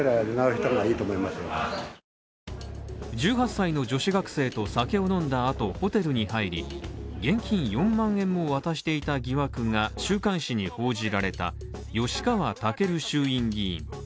１８歳の女子学生と酒を飲んだ後ホテルに入り、現金４万円も渡していた疑惑が週刊誌に報じられた吉川赳衆院議員